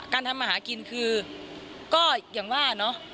ทำมาหากินคือก็อย่างว่าเนอะ